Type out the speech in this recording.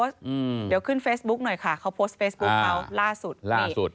เดี๋ยวขึ้นเฟซบุ๊กหน่อยค่ะเขาโพสต์เฟซบุ๊กเขาล่าสุด